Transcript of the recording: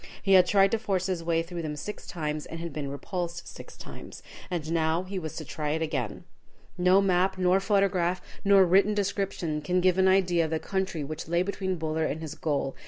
He had tried to force his way through them six times, and had been repulsed six times. And now he was to try it again. No map, nor photograph, nor written description can give an idea of the country which lay between Buller and his goal.